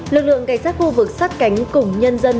lực lượng cảnh sát khu vực sát cánh cùng nhân dân